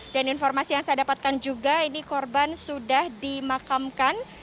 dan informasi yang saya dapatkan juga ini korban sudah dimakamkan